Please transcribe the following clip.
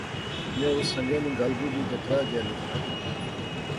میں اس سنگے نی گل بجی تہ تراہ جیا لکھتا